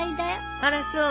あらそう？